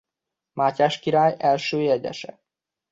Mátyás király első jegyese.